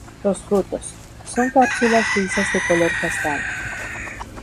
Los frutos, son cápsulas lisas de color castaño.